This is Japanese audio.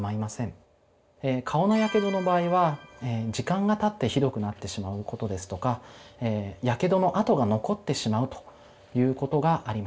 え顔のやけどの場合は時間がたってひどくなってしまうことですとかやけどの痕が残ってしまうということがあります。